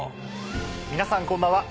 皆さんこんばんは。